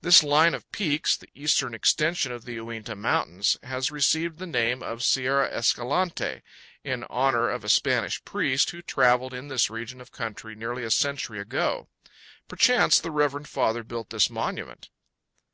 This line of peaks, the eastern extension of the Uinta Mountains, has received the name of Sierra Escalante, in honor of a Spanish priest who traveled in this region of country nearly a century ago. Perchance the reverend father built this monument.